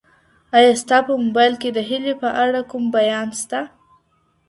ایا ستا په موبایل کي د هیلې په اړه کوم بیان سته؟